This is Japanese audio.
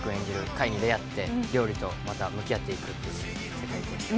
海に出会って料理とまた向き合っていくという世界です。